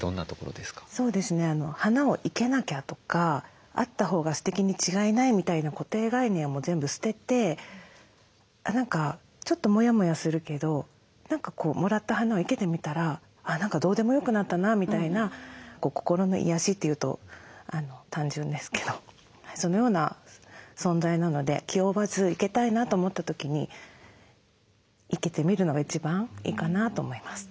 そうですね「花を生けなきゃ」とか「あったほうがすてきに違いない」みたいな固定概念はもう全部捨てて何かちょっとモヤモヤするけど何かもらった花を生けてみたら「あ何かどうでもよくなったな」みたいな心の癒やしというと単純ですけどそのような存在なので気負わず生けたいなと思った時に生けてみるのが一番いいかなと思います。